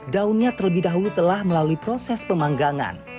daunnya terlebih dahulu telah melalui proses pemanggangan